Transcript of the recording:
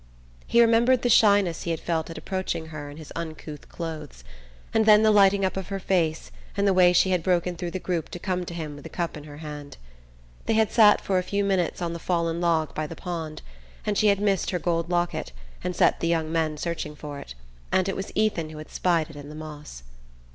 He remembered the shyness he had felt at approaching her in his uncouth clothes, and then the lighting up of her face, and the way she had broken through the group to come to him with a cup in her hand. They had sat for a few minutes on the fallen log by the pond, and she had missed her gold locket, and set the young men searching for it; and it was Ethan who had spied it in the moss....